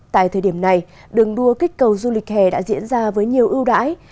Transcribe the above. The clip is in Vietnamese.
tại thời điểm này đường đua kích cầu du lịch hè đã diễn ra với nhiều ưu đãi